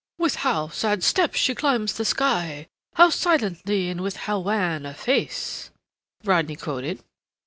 "With how sad steps she climbs the sky, How silently and with how wan a face," Rodney quoted.